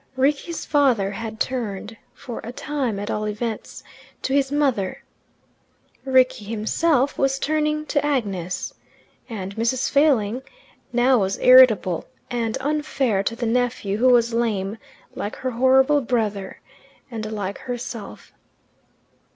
Rickie's father had turned, for a time at all events, to his mother. Rickie himself was turning to Agnes. And Mrs. Failing now was irritable, and unfair to the nephew who was lame like her horrible brother and like herself.